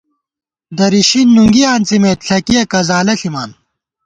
درِشی نُنگی آنڅِمېت ، ݪَکِیَہ کزالہ ݪِمان